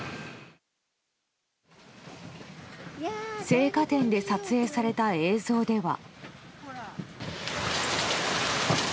生花店で撮影された映像では。